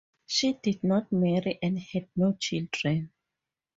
She did not marry and had no children.